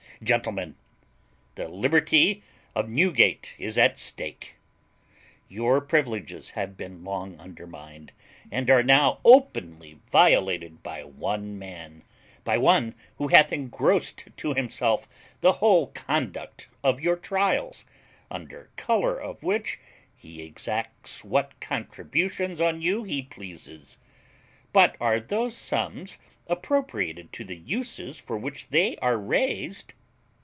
Gentlemen, the liberty of Newgate is at stake; your privileges have been long undermined, and are now openly violated by one man; by one who hath engrossed to himself the whole conduct of your trials, under colour of which he exacts what contributions on you he pleases; but are those sums appropriated to the uses for which they are raised?